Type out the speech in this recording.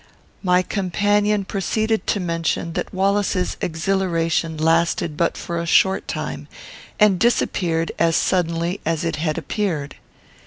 My companion proceeded to mention that Wallace's exhilaration lasted but for a short time, and disappeared as suddenly as it had appeared.